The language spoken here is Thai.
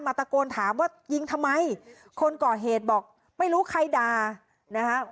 ตะโกนถามว่ายิงทำไมคนก่อเหตุบอกไม่รู้ใครด่านะคะ